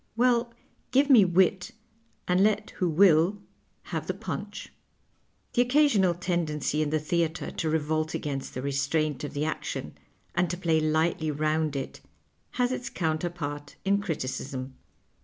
Well, give me wit, and let who will have the " punch." The occasional tendency in the theatre to revolt against the restraint of the action and to play lightly round it has its counterpart in criticism.